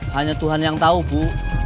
hanya tuhan yang tahu bu